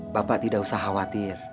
bapak tidak usah khawatir